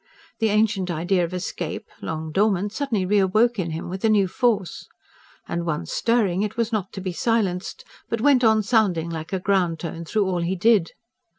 The ancient idea of escape, long dormant, suddenly reawoke in him with a new force. And, once stirring, it was not to be silenced, but went on sounding like a ground tone through all he did.